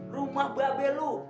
rumah mbak abe lo